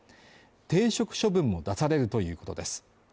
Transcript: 停職処分も出されるということです。